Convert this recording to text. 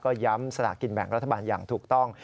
ก็ย้ำสลากกินแบ่งรัฐบาลอย่างถูกต้อง